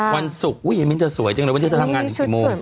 วันศุกร์อุ๊ยมิ้นเธอสวยจังเลยวันนี้เธอทำงานถึงกี่โมง